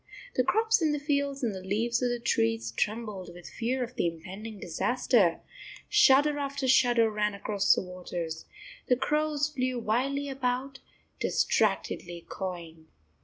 The crops in the fields and the leaves of the trees trembled with fear of the impending disaster; shudder after shudder ran across the waters; the crows flew wildly about, distractedly cawing.